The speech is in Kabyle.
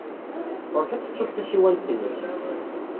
Ɣur-k ad tettud tasiwant-nnek.